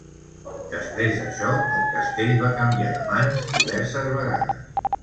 Després d'això, el castell va canviar de mans diverses vegades.